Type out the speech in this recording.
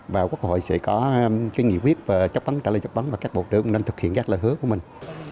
và quốc hội sẽ có cái nghị quyết và chấp vấn trả lời chấp vấn và các bộ đơn nên thực hiện các lời hứa của mình